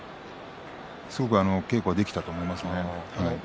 すごく稽古はできたと思いますね。